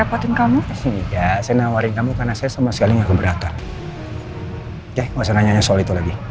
oke gak usah nanya nanya soal itu lagi